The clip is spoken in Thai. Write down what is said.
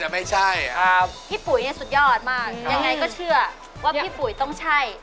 ยังไงก็เชื่อว่าพี่ปุ๋ยต้องใช่